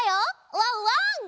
ワンワン！